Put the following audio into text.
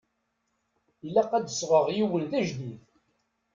Ilaq ad d-sɣeɣ yiwen d ajdid.